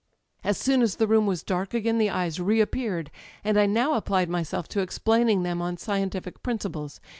^^ As soon as the room was dark again the eyes reap peared; and I now applied myself to explaining them on scientific principles.